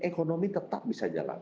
ekonomi tetap bisa dijalankan